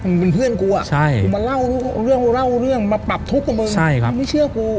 มันเป็นเพื่อนกูอะมาเล่าเรื่องมาปรับทุกข์กับมึงมันไม่เชื่อกู